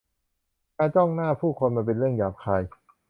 การจ้องหน้าผู้คนมันเป็นเรื่องหยาบคาย